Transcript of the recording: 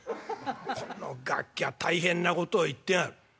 「このガキャ大変なことを言ってやがる。